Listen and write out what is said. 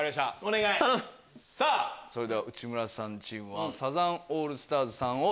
それでは内村さんチームはサザンオールスターズさん